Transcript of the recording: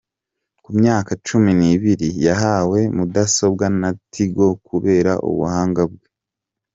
Ku myaka cumi nibiri yahawe mudasobwa na Tigo kubera ubuhanga bwe